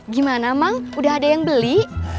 gimana mang udah ada yang beli